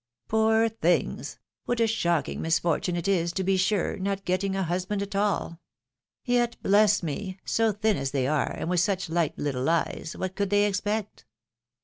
" Poor things ! what a shocking misfortune it is, to be sure, not getting a husband at all ! Yet ! bless me ! so thin as they are, and with such light little eyes, what could they expect?